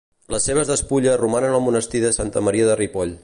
Les seves despulles romanen al monestir de Santa Maria de Ripoll.